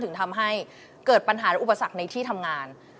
ถึงทำให้เกิดปัญหาและอุปสรรคในที่ทำงาน